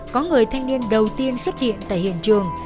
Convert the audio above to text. có người thanh niên đầu tiên xuất hiện tại hiện trường